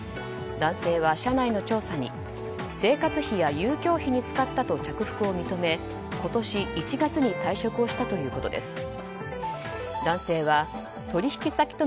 男性は社内の調査に生活費や遊興費に使ったと着服を認め、今年１月に退職をしたということです。